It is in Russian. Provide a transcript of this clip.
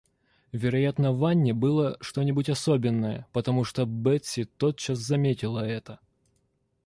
Вероятно, в Анне было что-нибудь особенное, потому что Бетси тотчас заметила это.